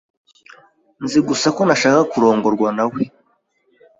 Nzi gusa ko ntashaka kurongorwa nawe.